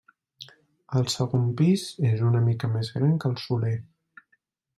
El segon pis és una mica més gran que el soler.